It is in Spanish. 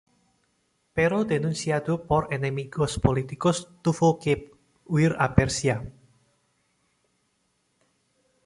Pero denunciado por enemigos políticos tuvo que huir a Persia.